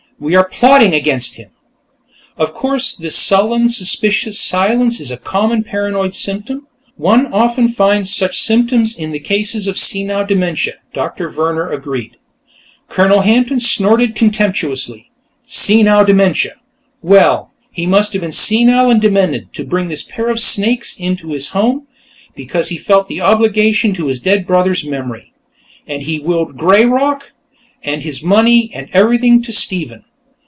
We are plotting against him!" "Of course; this sullen and suspicious silence is a common paranoid symptom; one often finds such symptoms in cases of senile dementia," Doctor Vehrner agreed. Colonel Hampton snorted contemptuously. Senile dementia! Well, he must have been senile and demented, to bring this pair of snakes into his home, because he felt an obligation to his dead brother's memory. And he'd willed "Greyrock," and his money, and everything, to Stephen.